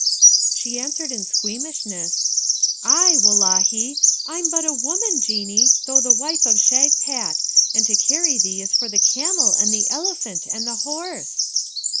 She answered in squeamishness, 'I, wullahy! I'm but a woman, Genie, though the wife of Shagpat: and to carry thee is for the camel and the elephant and the horse.'